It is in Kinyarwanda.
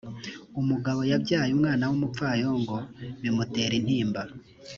umugabo wabyaye umwana w’umupfayongo bimutera intimba